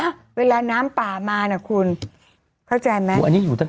อ่ะเวลาน้ำป่ามาน่ะคุณเข้าใจไหมอันนี้อยู่ตั้งแต่